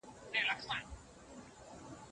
نوي کارونه د ژوند نوي رنګونه دي.